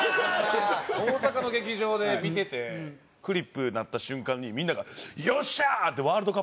大阪の劇場で見ててクリップなった瞬間にみんなが「よっしゃー！」ってすげえ。